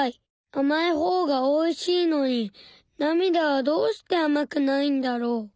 あまいほうがおいしいのになみだはどうしてあまくないんだろう。